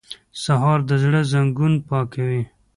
سهار د زړه زنګونه پاکوي.